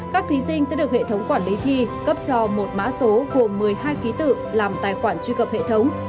các thí sinh sẽ được hệ thống quản lý thi cấp cho một mã số gồm một mươi hai ký tự làm tài khoản truy cập hệ thống